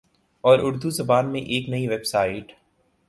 اور اردو زبان میں ایک نئی ویب سائٹ